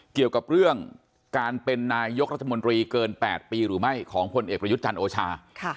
เกี่ยวกับเรื่องการเป็นนายกรัฐมนตรีเกิน๘ปีหรือไม่ของพลเอกประยุทธ์จันทร์โอชา